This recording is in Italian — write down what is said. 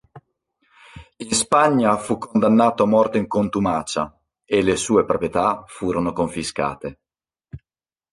In Spagna fu condannato a morte in contumacia, e le sue proprietà furono confiscate.